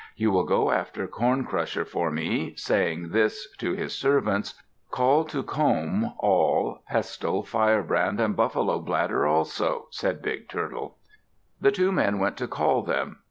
You will go after Corn Crusher for me," saying this to his servants. "Call to Comb, Awl, Pestle, Firebrand, and Buffalo Bladder also," said Big Turtle. The two men went to call them.